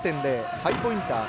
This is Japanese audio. ハイポインター。